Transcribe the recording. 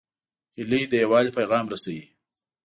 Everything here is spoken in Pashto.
هیلۍ د یووالي پیغام رسوي